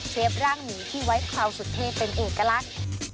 ร่างหมีที่ไว้คราวสุดเทพเป็นเอกลักษณ์